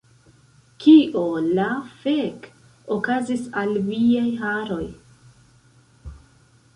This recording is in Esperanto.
Kio la fek' okazis al viaj haroj